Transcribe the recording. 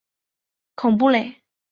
孔布雷。